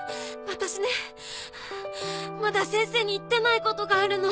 私ねまだ先生に言ってないことがあるの。